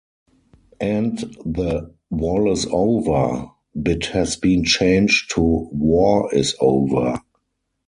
And the "Wall is Over" bit has been changed to "War is Over".